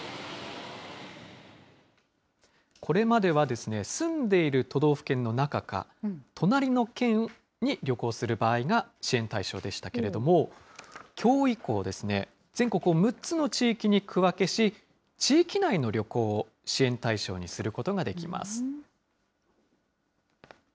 これまでは、住んでいる都道府県の中か、隣の県に旅行する場合が支援対象でしたけれども、きょう以降、全国を６つの地域に区分けし、地域内の旅行を支援対象にすることができます。